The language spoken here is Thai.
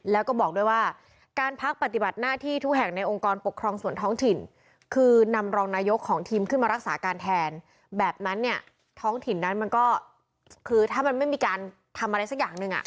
แล้วก็บอกด้วยว่าการพักปฏิบัติหน้าที่ทุกแห่งในองค์กรปกครองส่วนท้องถิ่นคือนำรองนายกของทีมขึ้นมารักษาการแทนแบบนั้นเนี่ยท้องถิ่นนั้นมันก็คือถ้ามันไม่มีการทำอะไรสักอย่างหนึ่งอ่ะ